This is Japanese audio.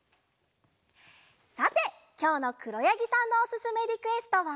さてきょうのくろやぎさんのおすすめリクエストは。